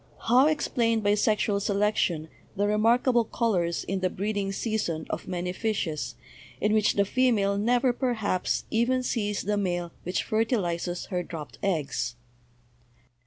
How explain by sexual selection the remark able colors in the breeding season of many fishes, in which the female never, perhaps, even sees the male which fer tilizes her dropped eggs?